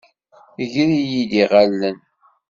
Ger-iyi-d iɣallen.